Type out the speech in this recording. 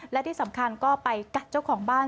และที่สำคัญก็ไปกัดเจ้าของบ้าน